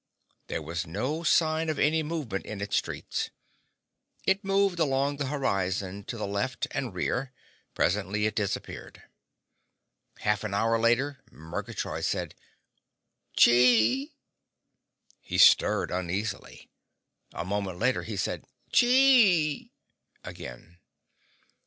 There was no sign of any movement in its streets. It moved along the horizon to the left and rear. Presently it disappeared. Half an hour later still, Murgatroyd said: "Chee!" He stirred uneasily. A moment later he said "Chee!" again.